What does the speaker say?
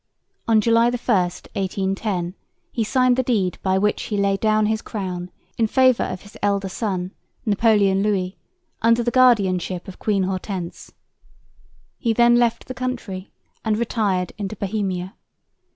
On July 1, 1810, he signed the deed by which he laid down his crown in favour of his elder son, Napoleon Louis, under the guardianship of Queen Hortense. He then left the country, and retired into Bohemia.